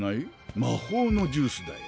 魔法のジュースだよ。